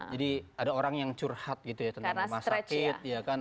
jadi ada orang yang curhat tentang masyarakat